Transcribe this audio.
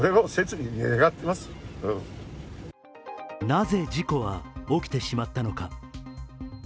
なぜ事故は起きてしまったのか。